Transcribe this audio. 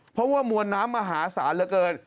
เพราะว่ามวลน้ำมหาศาลเหลือเกิน